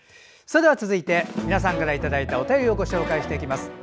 それでは皆さんからいただいたお便りをご紹介していきます。